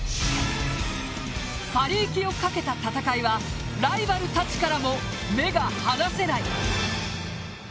パリ行きをかけた戦いはライバルたちからも目が離せない。